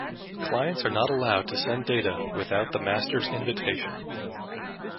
Clients are not allowed to send data without the master's invitation.